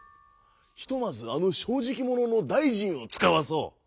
ひとまずあのしょうじきもののだいじんをつかわそう！